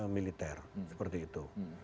militer seperti itu